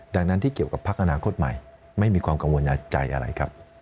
ดังนั้นที่เกี่ยวกับพักอนาคตใหม่ไม่มีความกังวลใจอะไรครับ